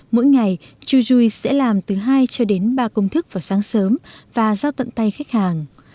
mỗi ngày chujuice sẽ làm từ hai cho đến ba công thức vào sáng sớm và giao tận tay khách hàng